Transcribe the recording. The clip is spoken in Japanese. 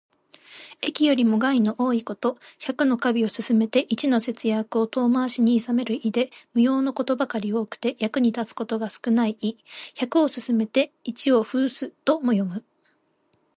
益よりも害の多いこと。百の華美を勧めて一の節約を遠回しにいさめる意で、無用のことばかり多くて、役に立つことが少ない意。「百を勧めて一を諷す」とも読む。